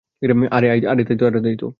আরে, তাইতো!